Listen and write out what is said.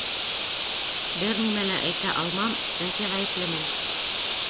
— Бер нимә лә әйтә алмам, сөнки ғәйеплемен.